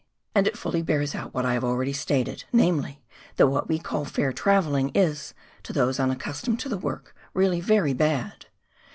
And it fully bears out what I have already stated, namely, that what we call " fair " travelling is, to those unaccustomed to the work, really very bad.